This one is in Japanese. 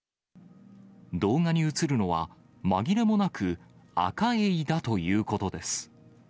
動画に写るのは、まぎれもなくアカエイだということです。